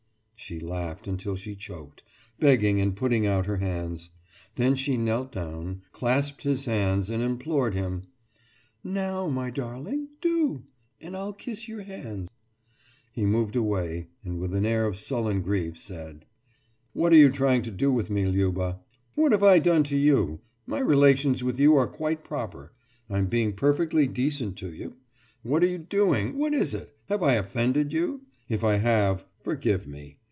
« She laughed until she choked, begging and putting out her hands. Then she knelt down, clasping his hands, and implored him: »Now, my darling, do! And I'll kiss your hand!« He moved away, and, with an air of sullen grief, said: »What are you trying to do with me, Liuba? What have I done to you? My relations with you are quite proper. I'm being perfectly decent to you. What are you doing? What is it? Have I offended you? If I have, forgive me.